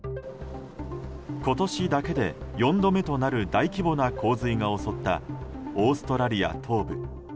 今年だけで４度目となる大規模な洪水が襲ったオーストラリア東部。